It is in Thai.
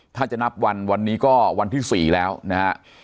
ถ้าจะนับวันวันนี้ก็วันที่๔แล้วนะฮะ